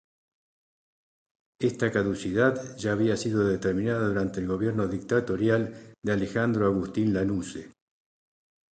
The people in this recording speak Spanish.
Esta caducidad, ya había sido determinada durante el gobierno dictatorial de Alejandro Agustín Lanusse.